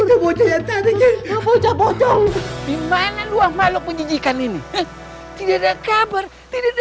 itu boconya tadi kek bocok bocok gimana luah makhluk penjijikan ini tidak ada kabar tidak